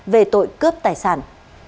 về tội cướp tài sản